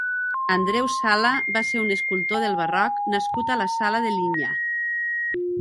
Andreu Sala va ser un escultor del barroc nascut a La Sala de Linya.